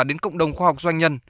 đến cộng đồng khoa học doanh nhân